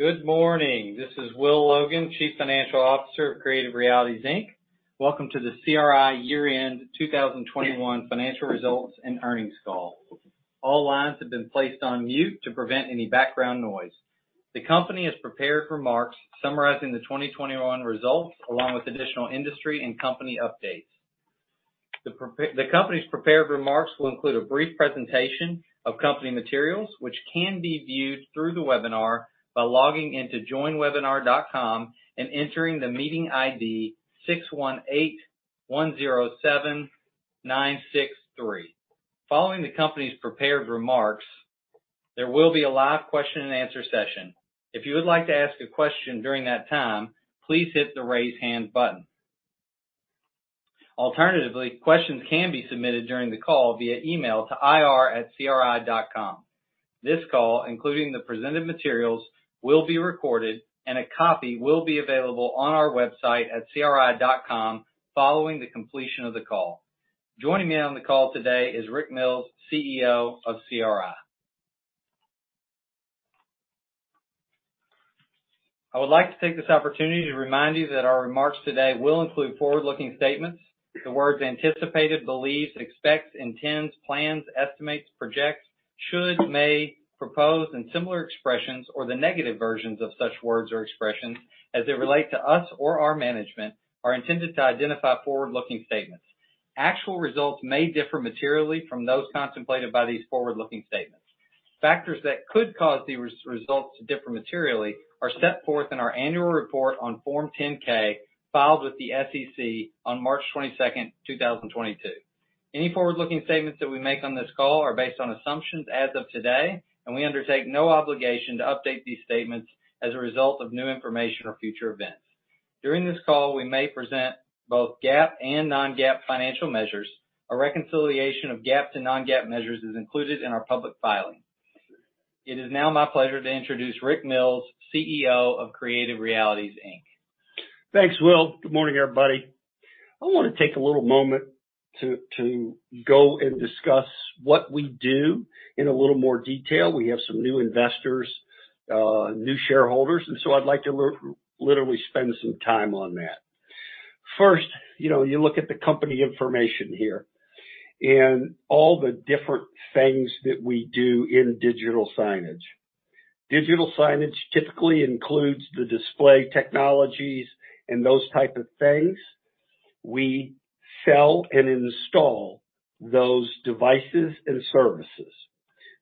Good morning. This is Will Logan, Chief Financial Officer of Creative Realities, Inc. Welcome to the CRI year-end 2021 financial results and earnings call. All lines have been placed on mute to prevent any background noise. The company has prepared remarks summarizing the 2021 results, along with additional industry and company updates. The company's prepared remarks will include a brief presentation of company materials, which can be viewed through the webinar by logging in to joinwebinar.com and entering the meeting ID 618107963. Following the company's prepared remarks, there will be a live question and answer session. If you would like to ask a question during that time, please hit the Raise Hand button. Alternatively, questions can be submitted during the call via email to IR@cri.com. This call, including the presented materials, will be recorded and a copy will be available on our website at cri.com following the completion of the call. Joining me on the call today is Rick Mills, CEO of CRI. I would like to take this opportunity to remind you that our remarks today will include forward-looking statements. The words anticipated, believes, expects, intends, plans, estimates, projects, should, may, propose and similar expressions, or the negative versions of such words or expressions as they relate to us or our management, are intended to identify forward-looking statements. Actual results may differ materially from those contemplated by these forward-looking statements. Factors that could cause these results to differ materially are set forth in our annual report on Form 10-K filed with the SEC on March 22, 2022. Any forward-looking statements that we make on this call are based on assumptions as of today, and we undertake no obligation to update these statements as a result of new information or future events. During this call, we may present both GAAP and non-GAAP financial measures. A reconciliation of GAAP to non-GAAP measures is included in our public filing. It is now my pleasure to introduce Rick Mills, CEO of Creative Realities, Inc. Thanks, Will. Good morning, everybody. I wanna take a little moment to go and discuss what we do in a little more detail. We have some new investors, new shareholders, and so I'd like to literally spend some time on that. First, you know, you look at the company information here and all the different things that we do in digital signage. Digital signage typically includes the display technologies and those type of things. We sell and install those devices and services.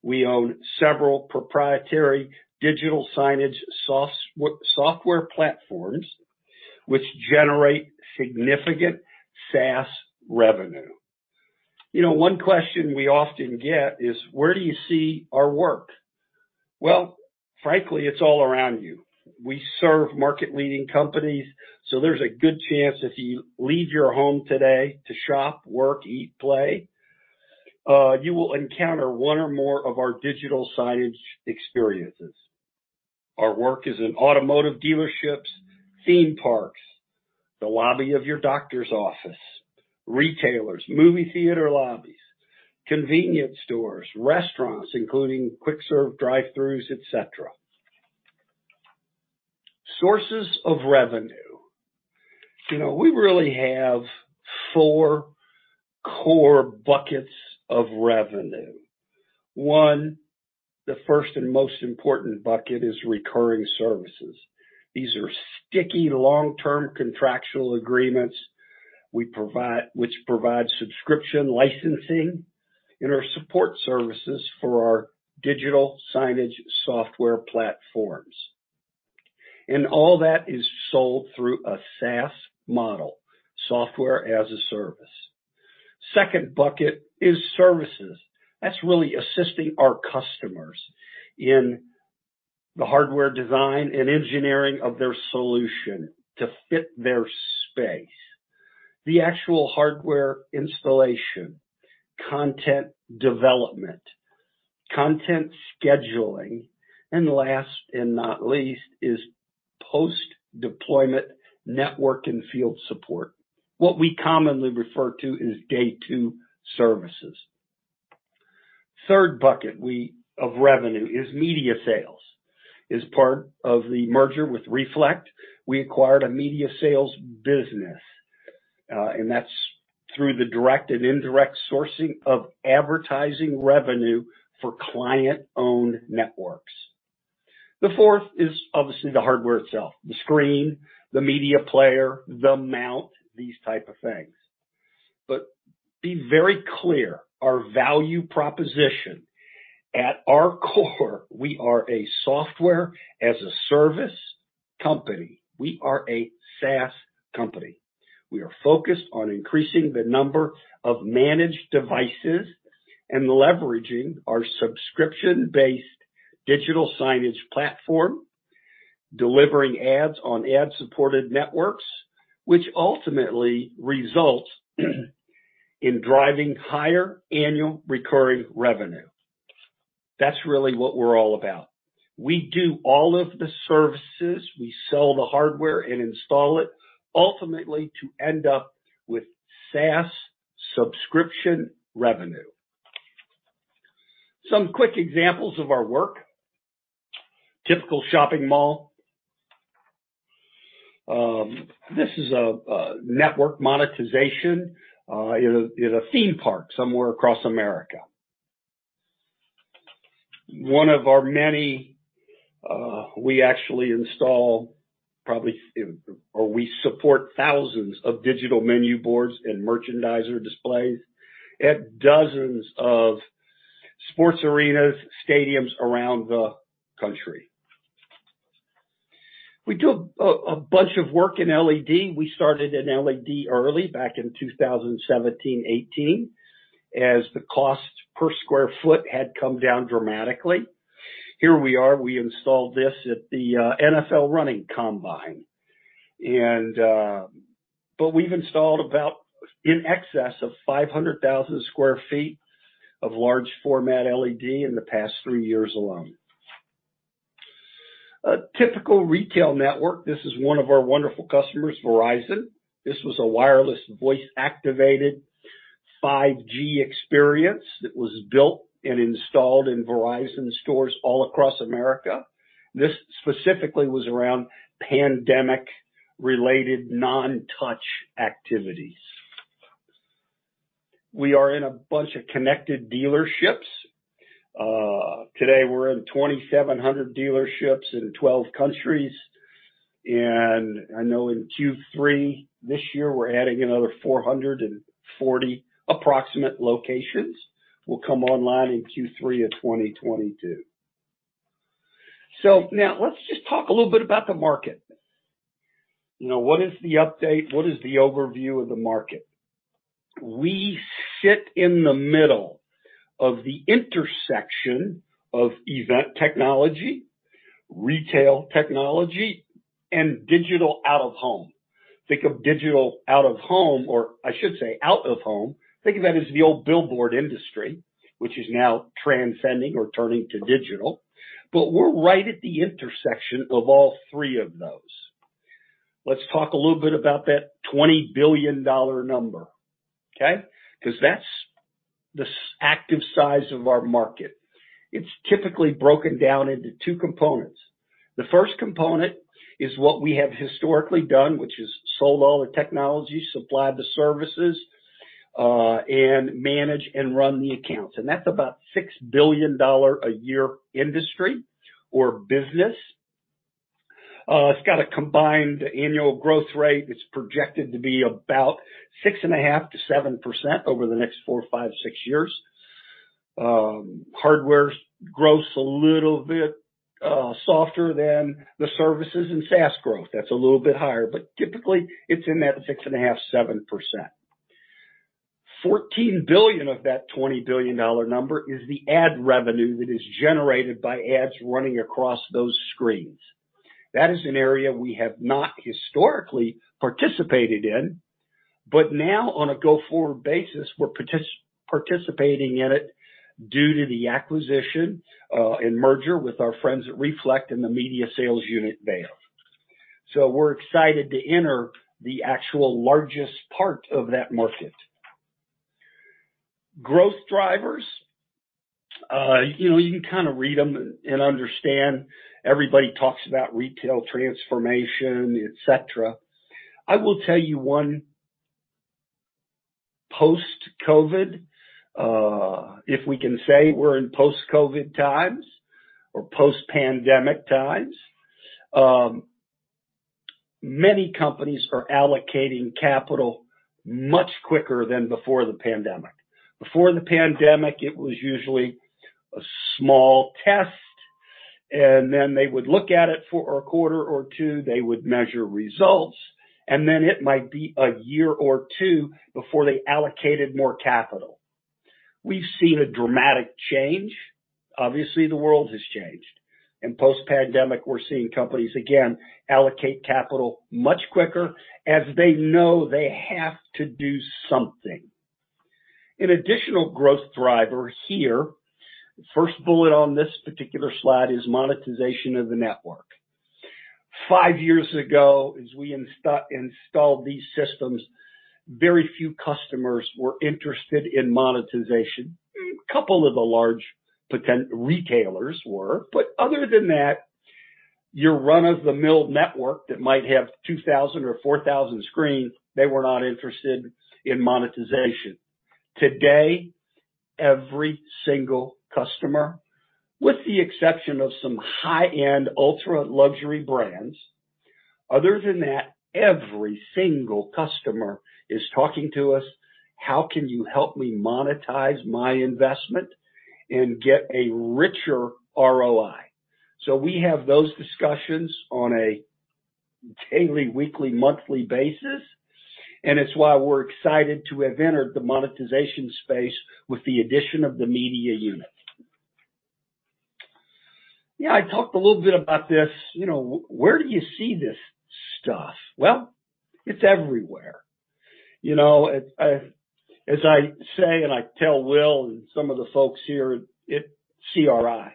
We own several proprietary digital signage software platforms which generate significant SaaS revenue. You know, one question we often get is: where do you see our work? Well, frankly, it's all around you. We serve market-leading companies, so there's a good chance if you leave your home today to shop, work, eat, play, you will encounter one or more of our digital signage experiences. Our work is in automotive dealerships, theme parks, the lobby of your doctor's office, retailers, movie theater lobbies, convenience stores, restaurants, including quick serve drive-throughs, et cetera. Sources of revenue. You know, we really have four core buckets of revenue. One, the first and most important bucket is recurring services. These are sticky, long-term contractual agreements we provide, which provide subscription licensing in our support services for our digital signage software platforms. All that is sold through a SaaS model, software as a service. Second bucket is services. That's really assisting our customers in the hardware design and engineering of their solution to fit their space. The actual hardware installation, content development, content scheduling, and last, and not least, is post-deployment network and field support, what we commonly refer to as day two services. Third bucket of revenue is media sales. As part of the merger with Reflect, we acquired a media sales business, and that's through the direct and indirect sourcing of advertising revenue for client-owned networks. The fourth is obviously the hardware itself, the screen, the media player, the mount, these type of things. Be very clear, our value proposition, at our core, we are a software as a service company. We are a SaaS company. We are focused on increasing the number of managed devices and leveraging our subscription-based digital signage platform, delivering ads on ad-supported networks, which ultimately results in driving higher annual recurring revenue. That's really what we're all about. We do all of the services. We sell the hardware and install it ultimately to end up with SaaS-Subscription revenue. Some quick examples of our work. Typical shopping mall. This is a network monetization in a theme park somewhere across America. One of our many, we actually support thousands of digital menu boards and merchandiser displays at dozens of sports arenas, stadiums around the country. We do a bunch of work in LED. We started in LED early back in 2017, 2018, as the cost per square foot had come down dramatically. Here we are. We installed this at the NFL Scouting Combine. We've installed about in excess of 500,000 sq ft of large format LED in the past three years alone. A typical retail network. This is one of our wonderful customers, Verizon. This was a wireless voice-activated 5G experience that was built and installed in Verizon stores all across America. This specifically was around pandemic-related non-touch activities. We are in a bunch of connected dealerships. Today we're in 2,700 dealerships in 12 countries, and I know in Q3 this year, we're adding another approximately 440 locations will come online in Q3 of 2022. Now let's just talk a little bit about the market. You know, what is the update? What is the overview of the market? We sit in the middle of the intersection of event technology, retail technology, and digital out-of-home. Think of digital out-of-home, or I should say out-of-home, think of that as the old billboard industry, which is now transcending or turning to digital. We're right at the intersection of all three of those. Let's talk a little bit about that $20 billion number. Okay? 'Cause that's the addressable size of our market. It's typically broken down into two components. The first component is what we have historically done, which is sold all the technology, supplied the services, and manage and run the accounts. That's about $6 billion a year industry or business. It's got a combined annual growth rate. It's projected to be about 6.5%-7% over the next 4, 5, 6 years. Hardware's growth's a little bit softer than the services and SaaS growth. That's a little bit higher, but typically it's in that 6.5%-7%. $14 billion of that $20 billion number is the ad revenue that is generated by ads running across those screens. That is an area we have not historically participated in, but now on a go-forward basis, we're participating in it due to the acquisition and merger with our friends at Reflect and the media sales division. We're excited to enter the actual largest part of that market. Growth drivers. You know, you kinda read them and understand everybody talks about retail transformation, et cetera. I will tell you though post-COVID, if we can say we're in post-COVID times or post-pandemic times, many companies are allocating capital much quicker than before the pandemic. Before the pandemic, it was usually a small test, and then they would look at it for a quarter or two, they would measure results, and then it might be a year or two before they allocated more capital. We've seen a dramatic change. Obviously, the world has changed. In post-pandemic, we're seeing companies again allocate capital much quicker as they know they have to do something. An additional growth driver here, first bullet on this particular slide is monetization of the network. Five years ago, as we installed these systems, very few customers were interested in monetization. Couple of the large potential retailers were, but other than that, your run-of-the-mill network that might have 2,000 or 4,000 screens, they were not interested in monetization. Today, every single customer, with the exception of some high-end ultra-luxury brands, other than that, every single customer is talking to us, "How can you help me monetize my investment and get a richer ROI?" We have those discussions on a daily, weekly, monthly basis, and it's why we're excited to have entered the monetization space with the addition of the media unit. Yeah, I talked a little bit about this. You know, where do you see this stuff? Well, it's everywhere. You know, it's, as I say, and I tell Will and some of the folks here, it's CRI.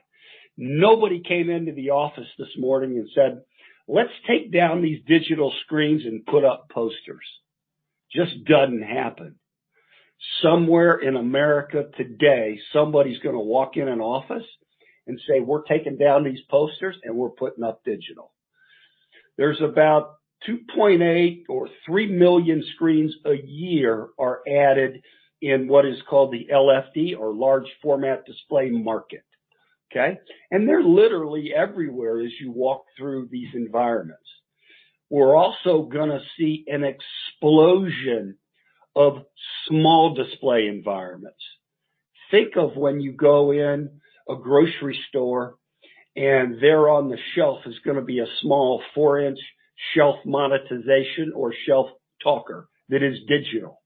Nobody came into the office this morning and said, "Let's take down these digital screens and put up posters." Just doesn't happen. Somewhere in America today, somebody's gonna walk in an office and say, "We're taking down these posters and we're putting up digital." There's about 2.8 or 3 million screens a year are added in what is called the LFD or large format display market, okay? They're literally everywhere as you walk through these environments. We're also gonna see an explosion of small display environments. Think of when you go in a grocery store and there on the shelf is gonna be a small four-inch shelf monetization or shelf talker that is digital,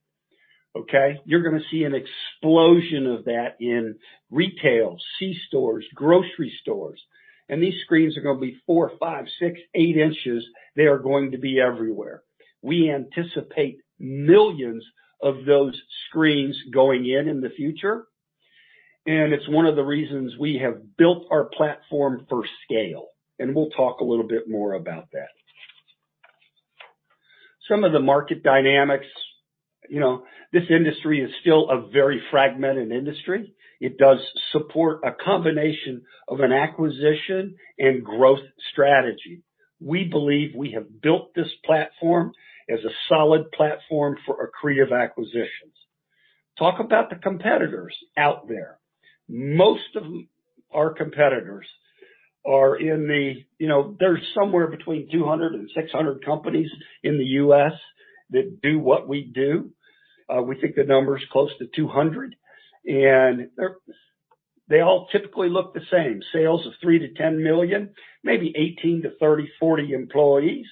okay? You're gonna see an explosion of that in retail, c-stores, grocery stores, and these screens are gonna be 4, 5, 6, 8 inches. They are going to be everywhere. We anticipate millions of those screens going in in the future, and it's one of the reasons we have built our platform for scale, and we'll talk a little bit more about that. Some of the market dynamics. You know, this industry is still a very fragmented industry. It does support a combination of an acquisition and growth strategy. We believe we have built this platform as a solid platform for accretive acquisitions. Talk about the competitors out there. Most of our competitors are in the. You know, there's somewhere between 200 and 600 companies in the U.S. that do what we do. We think the number is close to 200, and they all typically look the same. Sales of $3 million-$10 million, maybe 18-30 or 40 employees.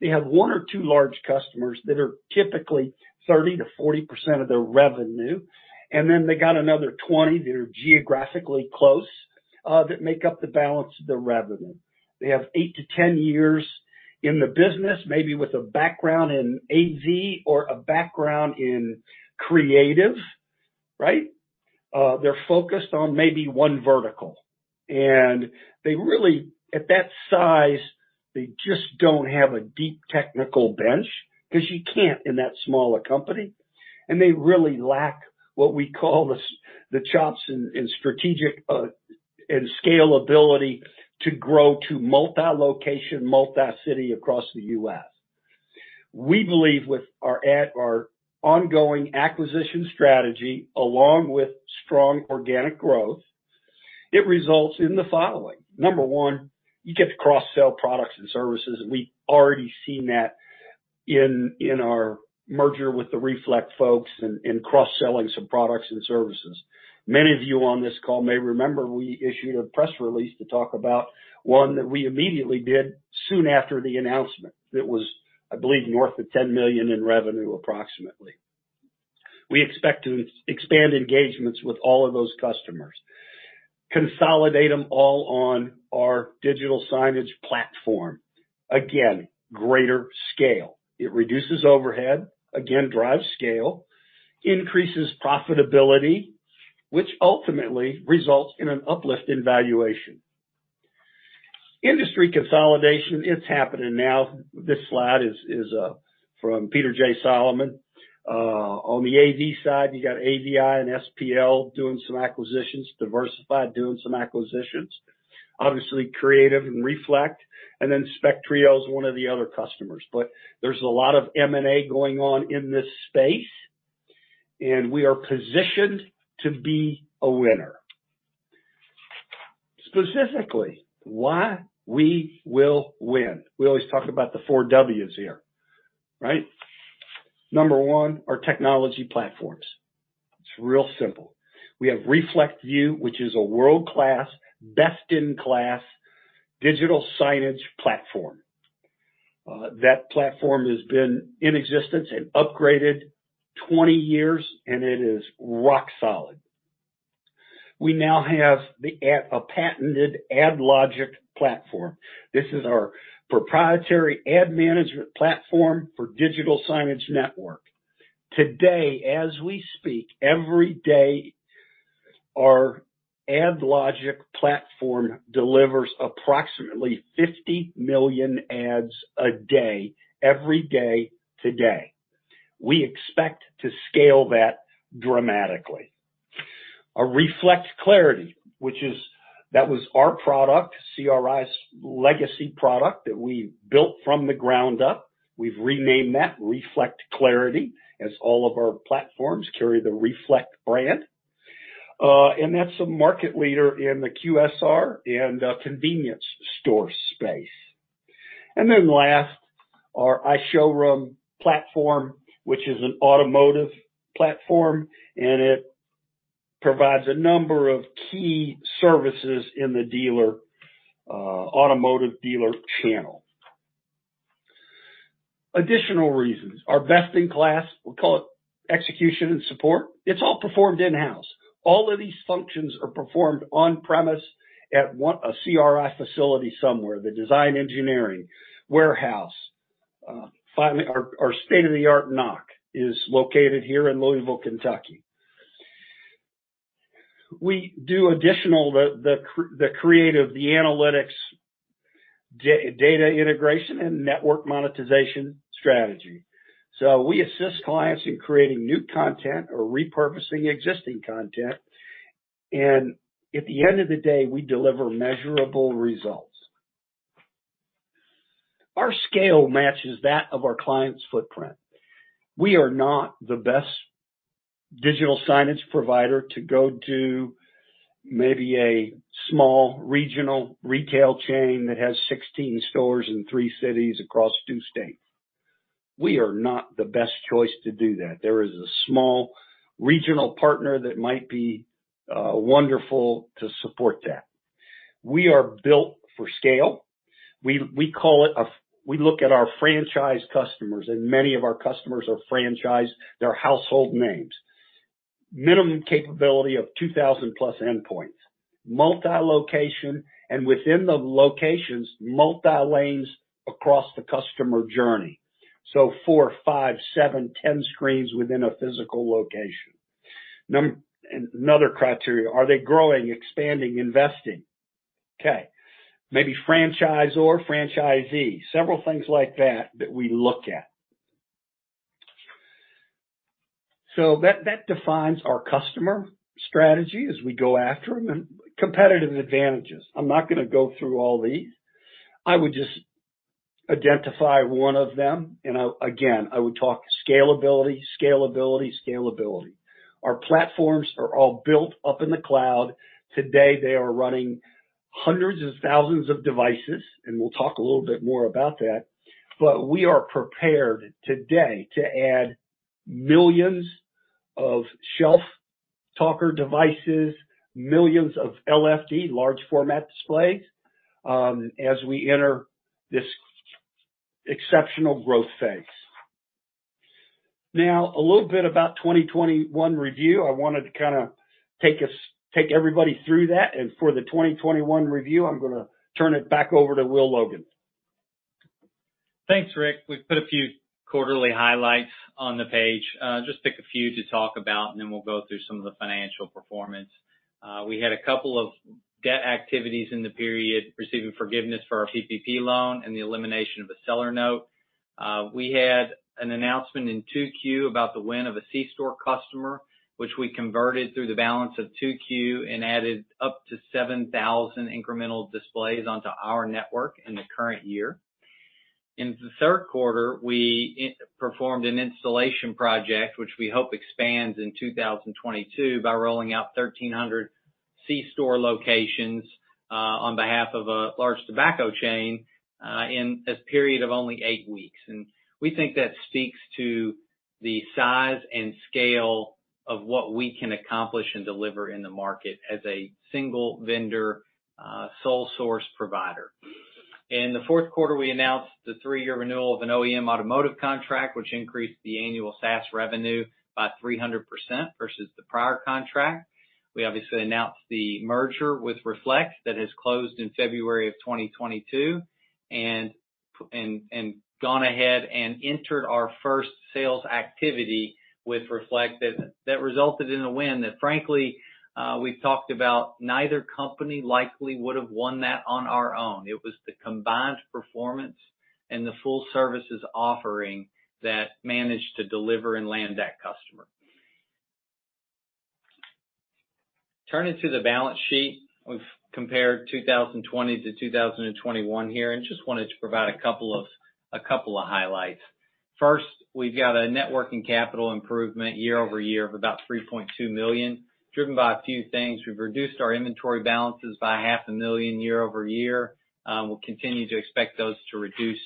They have one or two large customers that are typically 30%-40% of their revenue, and then they got another 20 that are geographically close that make up the balance of the revenue. They have eight to 10 years in the business, maybe with a background in AV or a background in creative, right? They're focused on maybe 1 vertical. They really, at that size, they just don't have a deep technical bench because you can't in that small a company. They really lack what we call the chops in strategic and scalability to grow to multi-location, multi-city across the U.S. We believe with our ongoing acquisition strategy, along with strong organic growth, it results in the following. Number one, you get to cross-sell products and services. We've already seen that in our merger with the Reflect folks in cross-selling some products and services. Many of you on this call may remember we issued a press release to talk about one that we immediately did soon after the announcement. That was, I believe, north of $10 million in revenue approximately. We expect to expand engagements with all of those customers, consolidate them all on our digital signage platform. Again, greater scale. It reduces overhead, again, drives scale, increases profitability, which ultimately results in an uplift in valuation. Industry consolidation, it's happening now. This slide is from Peter J. Solomon. On the AV side, you got AVI-SPL doing some acquisitions. Diversified is doing some acquisitions. Obviously, Creative and Reflect, and then Spectrio is one of the other customers. There's a lot of M&A going on in this space, and we are positioned to be a winner. Specifically, why we will win. We always talk about the four Ws here, right? Number one, our technology platforms. It's real simple. We have ReflectView, which is a world-class, best-in-class digital signage platform. That platform has been in existence and upgraded 20 years, and it is rock solid. We now have a patented AdLogic platform. This is our proprietary ad management platform for digital signage network. Today, as we speak, every day, our AdLogic platform delivers approximately 50 million ads a day, every day, today. We expect to scale that dramatically. Our Reflect Clarity, which is that was our product, CRI's legacy product that we built from the ground up. We've renamed that Reflect Clarity as all of our platforms carry the Reflect brand. That's a market leader in the QSR and convenience store space. Then last, our iShowroom platform, which is an automotive platform, and it provides a number of key services in the dealer automotive dealer channel. Additional reasons, our best-in-class, we'll call it execution and support. It's all performed in-house. All of these functions are performed on premise at a CRI facility somewhere. The design engineering, warehouse. Finally, our state-of-the-art NOC is located here in Louisville, Kentucky. We do additionally the creative, the analytics, data integration, and network monetization strategy. We assist clients in creating new content or repurposing existing content. At the end of the day, we deliver measurable results. Our scale matches that of our client's footprint. We are not the best digital signage provider to go to maybe a small regional retail chain that has 16 stores in three cities across two states. We are not the best choice to do that. There is a small regional partner that might be wonderful to support that. We are built for scale. We call it a we look at our franchise customers, and many of our customers are franchised, they're household names. Minimum capability of 2,000+ endpoints, multi-location, and within the locations, multiple lanes across the customer journey. So 4, 5, 7, 10 screens within a physical location. Another criteria, are they growing, expanding, investing? Okay. Maybe franchisor, franchisee, several things like that that we look at. That defines our customer strategy as we go after them. Competitive advantages. I'm not gonna go through all these. I would just identify one of them, and again, I would talk scalability. Our platforms are all built up in the cloud. Today, they are running hundreds of thousands of devices, and we'll talk a little bit more about that, but we are prepared today to add millions of ShelfTalker devices, millions of LFD, large format displays, as we enter this exceptional growth phase. Now, a little bit about 2021 review. I wanted to kinda take everybody through that. For the 2021 review, I'm gonna turn it back over to Will Logan. Thanks, Rick. We've put a few quarterly highlights on the page. Just pick a few to talk about, and then we'll go through some of the financial performance. We had a couple of debt activities in the period, receiving forgiveness for our PPP loan and the elimination of a seller note. We had an announcement in 2Q about the win of a c-store customer, which we converted through the balance of 2Q and added up to 7,000 incremental displays onto our network in the current year. In the third quarter, we performed an installation project, which we hope expands in 2022 by rolling out 1,300 c-store locations on behalf of a large tobacco chain in this period of only eight weeks. We think that speaks to the size and scale of what we can accomplish and deliver in the market as a single vendor, sole source provider. In the fourth quarter, we announced the three-year renewal of an OEM automotive contract, which increased the annual SaaS revenue by 300% versus the prior contract. We obviously announced the merger with Reflect that has closed in February 2022 and gone ahead and entered our first sales activity with Reflect that resulted in a win that frankly, we've talked about neither company likely would've won that on our own. It was the combined performance and the full services offering that managed to deliver and land that customer. Turning to the balance sheet, we've compared 2020 to 2021 here, and just wanted to provide a couple of highlights. First, we've got a net working capital improvement year-over-year of about $3.2 million, driven by a few things. We've reduced our inventory balances by $0.5 million year-over-year. We'll continue to expect those to reduce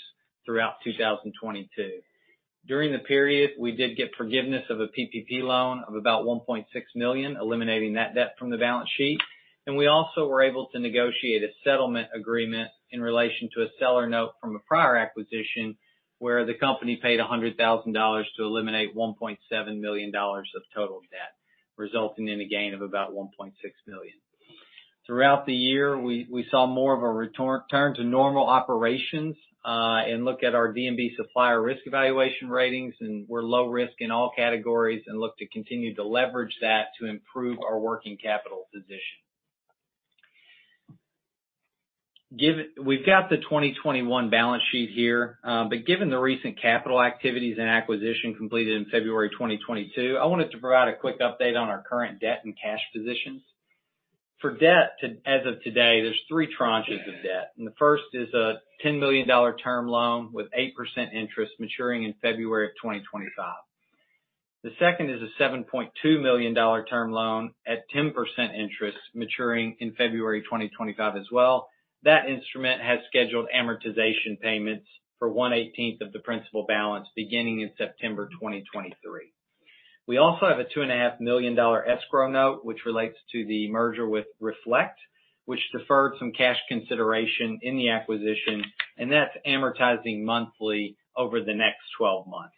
throughout 2022. During the period, we did get forgiveness of a PPP loan of about $1.6 million, eliminating that debt from the balance sheet. We also were able to negotiate a settlement agreement in relation to a seller note from a prior acquisition, where the company paid $100,000 to eliminate $1.7 million of total debt, resulting in a gain of about $1.6 million. Throughout the year, we saw more of a return to normal operations, and looked at our D&B supplier risk evaluation ratings, and we're low risk in all categories and look to continue to leverage that to improve our working capital position. We've got the 2021 balance sheet here, but given the recent capital activities and acquisition completed in February 2022, I wanted to provide a quick update on our current debt and cash positions. For debt as of today, there's three tranches of debt, and the first is a $10 million term loan with 8% interest maturing in February of 2025. The second is a $7.2 million term loan at 10% interest maturing in February 2025 as well. That instrument has scheduled amortization payments for 1/18 of the principal balance beginning in September 2023. We also have a $2.5 million escrow note, which relates to the merger with Reflect, which deferred some cash consideration in the acquisition, and that's amortizing monthly over the next 12 months.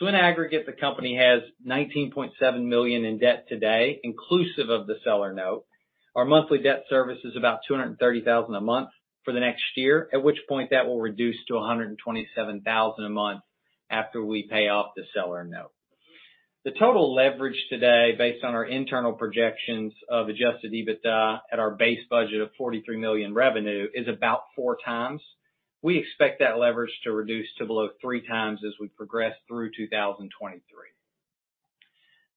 In aggregate, the company has $19.7 million in debt today, inclusive of the seller note. Our monthly debt service is about $230,000 a month for the next year, at which point that will reduce to $127,000 a month after we pay off the seller note. The total leverage today based on our internal projections of adjusted EBITDA at our base budget of $43 million revenue is about 4x. We expect that leverage to reduce to below 3x as we progress through 2023.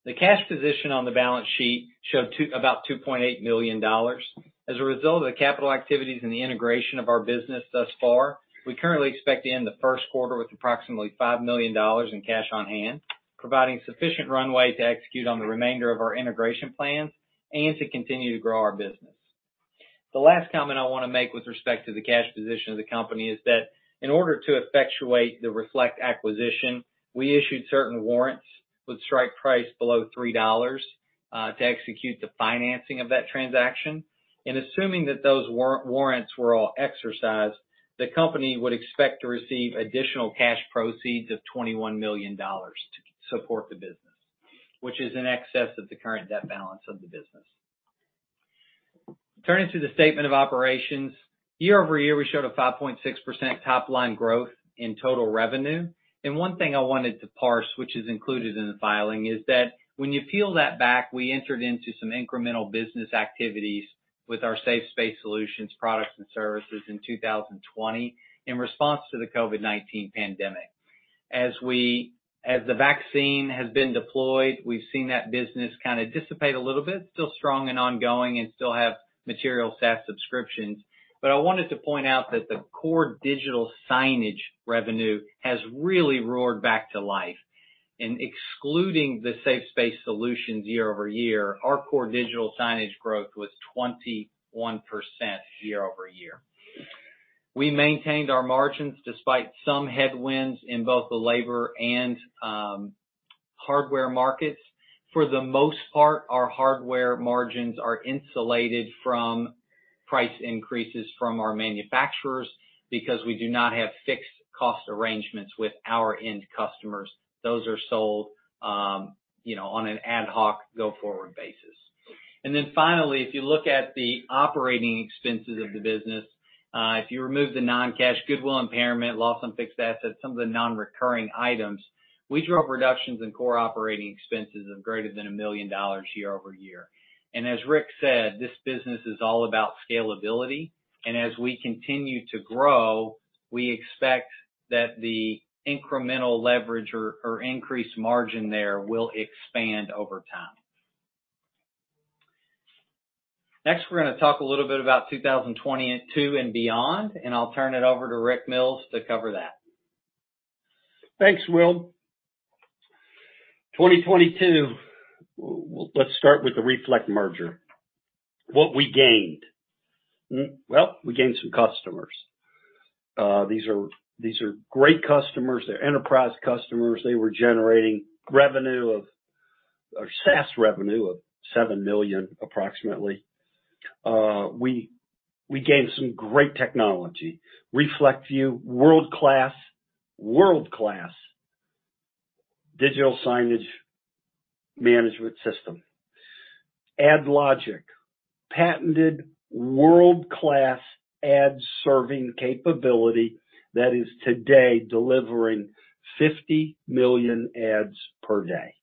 The cash position on the balance sheet showed about $2.8 million. As a result of the capital activities and the integration of our business thus far, we currently expect to end the first quarter with approximately $5 million in cash on hand, providing sufficient runway to execute on the remainder of our integration plans and to continue to grow our business. The last comment I wanna make with respect to the cash position of the company is that in order to effectuate the Reflect acquisition, we issued certain warrants with strike price below $3 to execute the financing of that transaction. Assuming that those warrants were all exercised, the company would expect to receive additional cash proceeds of $21 million to support the business, which is in excess of the current debt balance of the business. Turning to the Statement of Operations. Year-over-year, we showed a 5.6% top-line growth in total revenue. One thing I wanted to parse, which is included in the filing, is that when you peel that back, we entered into some incremental business activities with our Safe Space Solutions products and services in 2020 in response to the COVID-19 pandemic. As the vaccine has been deployed, we've seen that business kinda dissipate a little bit, still strong and ongoing, and still have material SaaS subscriptions. I wanted to point out that the core digital signage revenue has really roared back to life. Excluding the Safe Space Solutions year-over-year, our core digital signage growth was 21% year-over-year. We maintained our margins despite some headwinds in both the labor and hardware markets. For the most part, our hardware margins are insulated from price increases from our manufacturers because we do not have fixed cost arrangements with our end customers. Those are sold, you know, on an ad hoc go-forward basis. Finally, if you look at the operating expenses of the business, if you remove the non-cash goodwill impairment, loss on fixed assets, some of the non-recurring items, we drove reductions in core operating expenses of greater than $1 million year-over-year. As Rick said, this business is all about scalability. As we continue to grow, we expect that the incremental leverage or increased margin there will expand over time. Next, we're gonna talk a little bit about 2022 and beyond, and I'll turn it over to Rick Mills to cover that. Thanks, Will. 2022, well, let's start with the Reflect merger. What we gained. Well, we gained some customers. These are great customers. They're enterprise customers. They were generating SaaS revenue of $7 million approximately. We gained some great technology. ReflectView, world-class digital signage management system. Reflect AdLogic, patented world-class ad serving capability that is today delivering 50 million ads per day.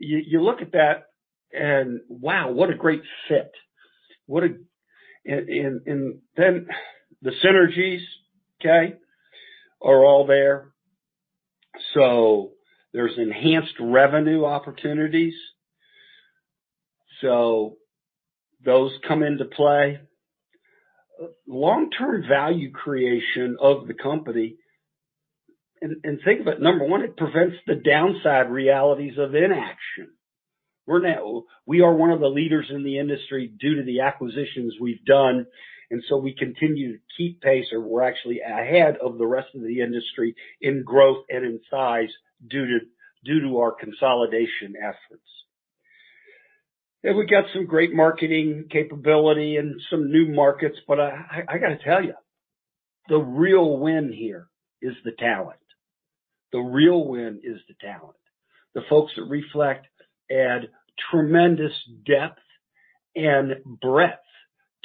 You look at that and wow, what a great fit. Then the synergies are all there. There's enhanced revenue opportunities. Those come into play. Long-term value creation of the company. Think about number one, it prevents the downside realities of inaction. We are one of the leaders in the industry due to the acquisitions we've done, and so we continue to keep pace, or we're actually ahead of the rest of the industry in growth and in size due to our consolidation efforts. We've got some great marketing capability and some new markets. I gotta tell you, the real win here is the talent. The real win is the talent. The folks at Reflect add tremendous depth and breadth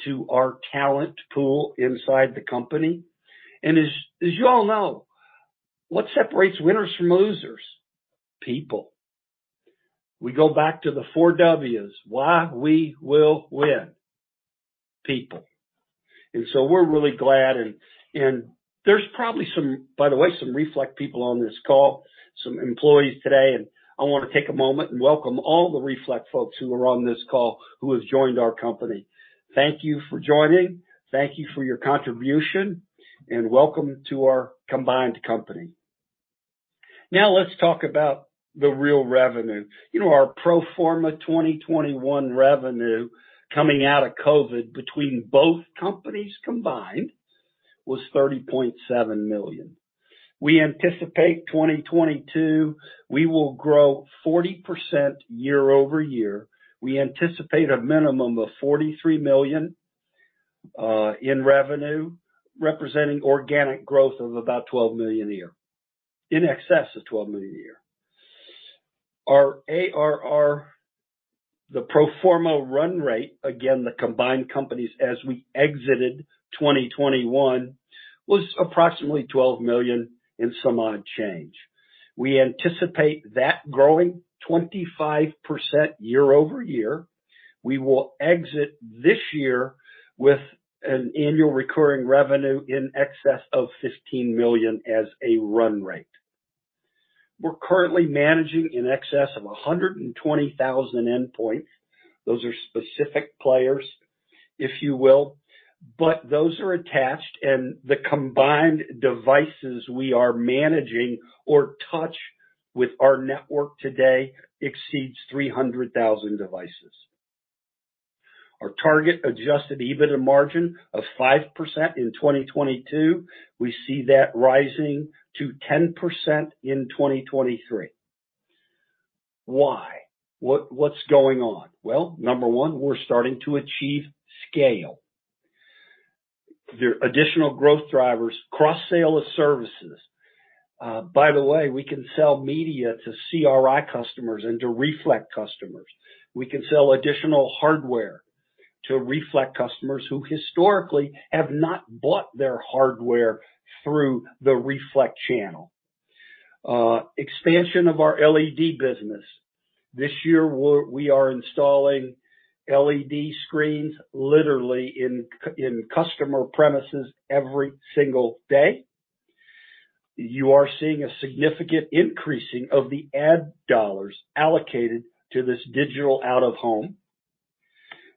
to our talent pool inside the company. As you all know, what separates winners from losers? People. We go back to the four Ws, why we will win. People. We're really glad and there's probably some. By the way, some Reflect people on this call, some employees today, and I wanna take a moment and welcome all the Reflect folks who are on this call who have joined our company. Thank you for joining. Thank you for your contribution, and welcome to our combined company. Now let's talk about the real revenue. You know, our pro forma 2021 revenue coming out of COVID between both companies combined was $30.7 million. We anticipate 2022, we will grow 40% year-over-year. We anticipate a minimum of $43 million in revenue, representing organic growth of about $12 million a year. In excess of $12 million a year. Our ARR, the pro forma run rate, again, the combined companies as we exited 2021, was approximately $12 million and some odd change. We anticipate that growing 25% year-over-year. We will exit this year with an annual recurring revenue in excess of $15 million as a run rate. We're currently managing in excess of 120,000 endpoints. Those are specific players, if you will. Those are attached, and the combined devices we are managing or touch with our network today exceeds 300,000 devices. Our target adjusted EBITDA margin of 5% in 2022, we see that rising to 10% in 2023. Why? What's going on? Well, number one, we're starting to achieve scale. The additional growth drivers, cross-sale of services. By the way, we can sell media to CRI customers and to Reflect customers. We can sell additional hardware to Reflect customers who historically have not bought their hardware through the Reflect channel. Expansion of our LED business. This year, we are installing LED screens literally in customer premises every single day. You are seeing a significant increase of the ad dollars allocated to this digital out-of-home.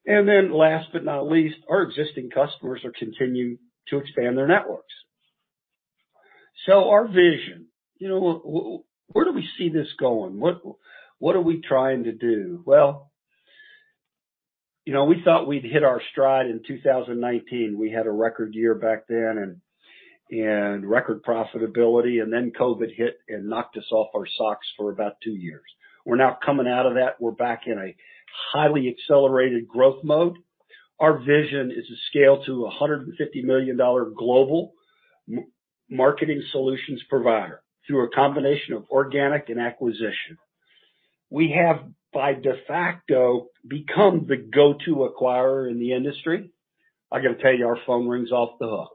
Last but not least, our existing customers are continuing to expand their networks. Our vision, you know, where do we see this going? What are we trying to do? Well, you know, we thought we'd hit our stride in 2019. We had a record year back then and record profitability, and then COVID hit and knocked us off our feet for about two years. We're now coming out of that. We're back in a highly accelerated growth mode. Our vision is to scale to a $150 million global marketing solutions provider through a combination of organic and acquisition. We have, by de facto, become the go-to acquirer in the industry. I gotta tell you, our phone rings off the hook,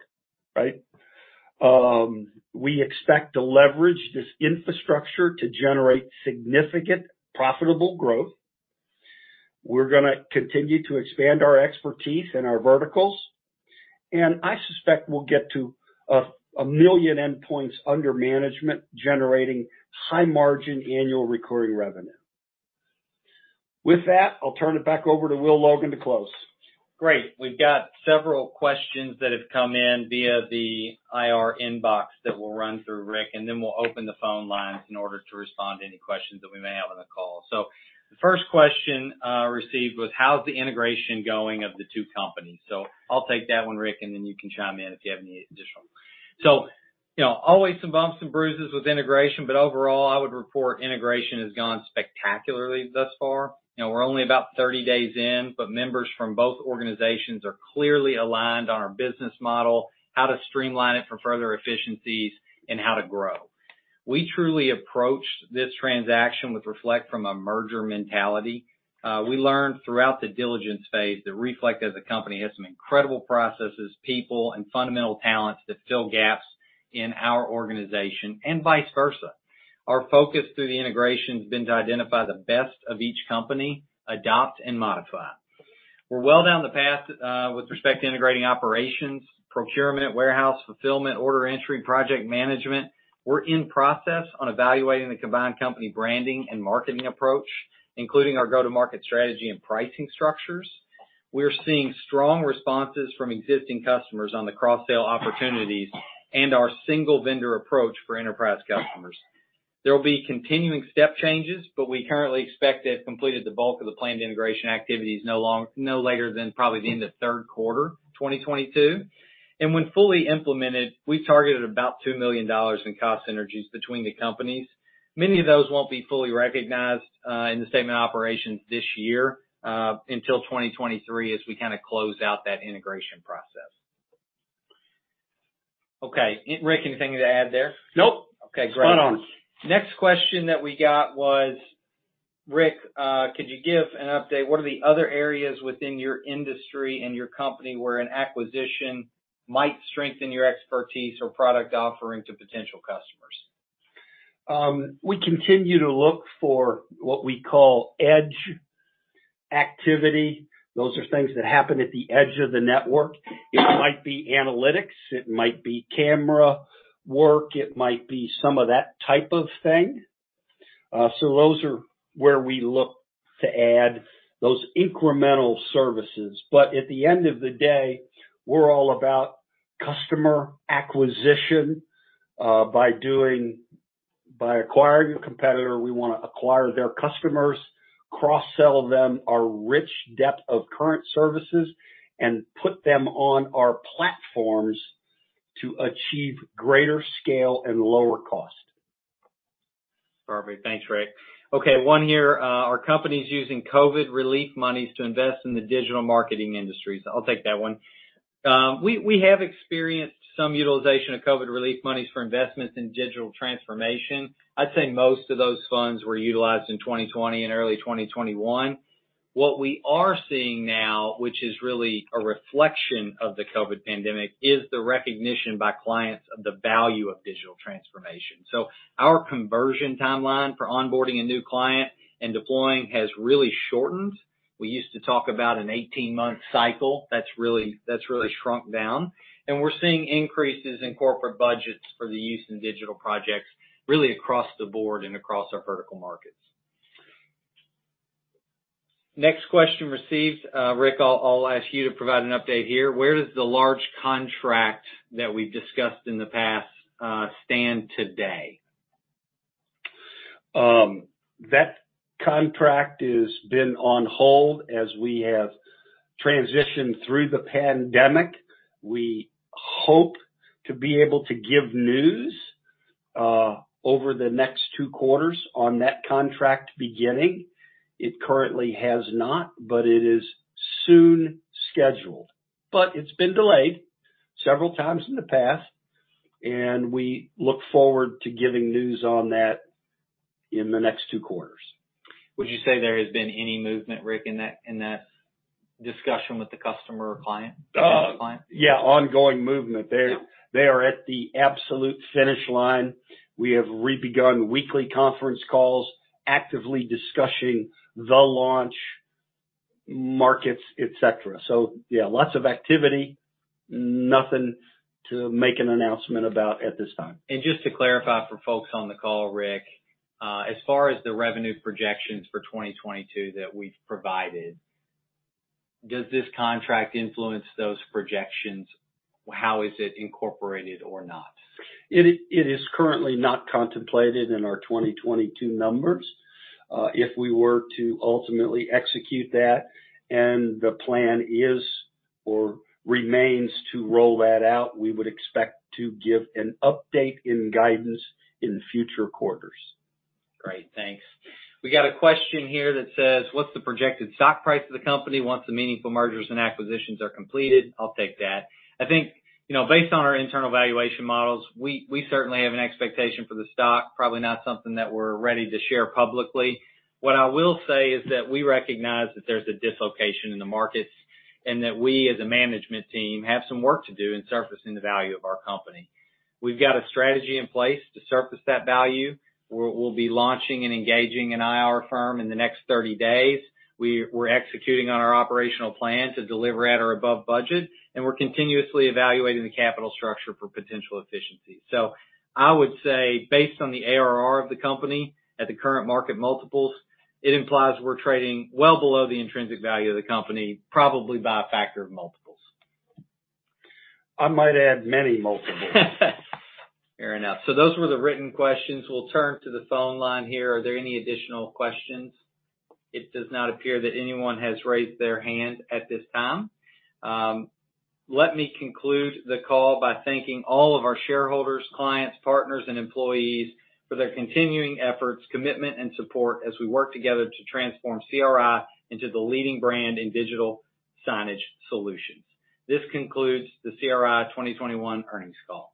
right? We expect to leverage this infrastructure to generate significant profitable growth. We're gonna continue to expand our expertise and our verticals, and I suspect we'll get to 1 million endpoints under management generating high margin annual recurring revenue. With that, I'll turn it back over to Will Logan to close. Great. We've got several questions that have come in via the IR inbox that we'll run through Rick, and then we'll open the phone lines in order to respond to any questions that we may have on the call. The first question received was, how's the integration going of the two companies? I'll take that one, Rick, and then you can chime in if you have any additional. You know, always some bumps and bruises with integration, but overall, I would report integration has gone spectacularly thus far. You know, we're only about 30 days in, but members from both organizations are clearly aligned on our business model, how to streamline it for further efficiencies, and how to grow. We truly approached this transaction with Reflect from a merger mentality. We learned throughout the diligence phase that Reflect as a company has some incredible processes, people, and fundamental talents that fill gaps in our organization and vice versa. Our focus through the integration has been to identify the best of each company, adopt, and modify. We're well down the path with respect to integrating operations, procurement, warehouse, fulfillment, order entry, project management. We're in process on evaluating the combined company branding and marketing approach, including our go-to-market strategy and pricing structures. We're seeing strong responses from existing customers on the cross-sale opportunities and our single vendor approach for enterprise customers. There will be continuing step changes, but we currently expect to have completed the bulk of the planned integration activities no later than probably the end of third quarter 2022. When fully implemented, we targeted about $2 million in cost synergies between the companies. Many of those won't be fully recognized in the statement of operations this year until 2023 as we kinda close out that integration process. Okay. Rick, anything to add there? Nope. Okay, great. Spot on. Next question that we got was, Rick, could you give an update, what are the other areas within your industry and your company where an acquisition might strengthen your expertise or product offering to potential customers? We continue to look for what we call edge activity. Those are things that happen at the edge of the network. It might be analytics, it might be camera work, it might be some of that type of thing. Those are where we look to add those incremental services. At the end of the day, we're all about customer acquisition by acquiring a competitor, we wanna acquire their customers, cross-sell them our rich depth of current services, and put them on our platforms to achieve greater scale and lower cost. Perfect. Thanks, Rick. Okay, one here, are companies using COVID relief monies to invest in the digital marketing industries? I'll take that one. We have experienced some utilization of COVID relief monies for investments in digital transformation. I'd say most of those funds were utilized in 2020 and early 2021. What we are seeing now, which is really a reflection of the COVID pandemic, is the recognition by clients of the value of digital transformation. Our conversion timeline for onboarding a new client and deploying has really shortened. We used to talk about an 18-month cycle. That's really shrunk down. We're seeing increases in corporate budgets for the use in digital projects really across the board and across our vertical markets. Next question received. Rick, I'll ask you to provide an update here. Where does the large contract that we've discussed in the past stand today? That contract has been on hold as we have transitioned through the pandemic. We hope to be able to give news over the next two quarters on that contract beginning. It currently has not, but it is soon scheduled. It's been delayed several times in the past, and we look forward to giving news on that in the next two quarters. Would you say there has been any movement, Rick, in that discussion with the customer or client, potential client? Yeah, ongoing movement. Yeah. They are at the absolute finish line. We have re-begun weekly conference calls, actively discussing the launch, markets, et cetera. Yeah, lots of activity, nothing to make an announcement about at this time. Just to clarify for folks on the call, Rick, as far as the revenue projections for 2022 that we've provided, does this contract influence those projections? How is it incorporated or not? It is currently not contemplated in our 2022 numbers. If we were to ultimately execute that, and the plan is or remains to roll that out, we would expect to give an update in guidance in future quarters. Great. Thanks. We got a question here that says, what's the projected stock price of the company once the meaningful mergers and acquisitions are completed? I'll take that. I think, you know, based on our internal valuation models, we certainly have an expectation for the stock, probably not something that we're ready to share publicly. What I will say is that we recognize that there's a dislocation in the markets, and that we as a management team have some work to do in surfacing the value of our company. We've got a strategy in place to surface that value. We'll be launching and engaging an IR firm in the next 30 days. We're executing on our operational plan to deliver at or above budget, and we're continuously evaluating the capital structure for potential efficiency. I would say based on the ARR of the company at the current market multiples, it implies we're trading well below the intrinsic value of the company, probably by a factor of multiples. I might add many multiples. Fair enough. Those were the written questions. We'll turn to the phone line here. Are there any additional questions? It does not appear that anyone has raised their hand at this time. Let me conclude the call by thanking all of our shareholders, clients, partners, and employees for their continuing efforts, commitment, and support as we work together to transform CRI into the leading brand in digital signage solutions. This concludes the CRI 2021 earnings call.